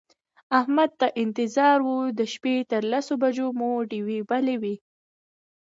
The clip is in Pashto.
احمد ته انتظار و د شپې تر لسو بجو مو ډېوې بلې وې.